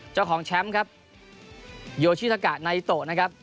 เจ้าของแชมป์ครับโยชิตากะไนโตนะครับ